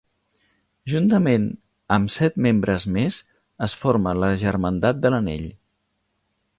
Juntament amb set membres més, es forma la Germandat de l'Anell.